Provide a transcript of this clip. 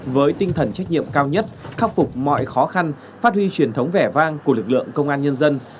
với tinh thần trách nhiệm cao nhất khắc phục mọi khó khăn phát huy truyền thống vẻ vang của lực lượng công an nhân dân